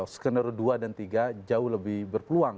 skenario dua dan tiga jauh lebih berpeluang